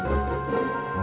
nggak ada uang nggak ada uang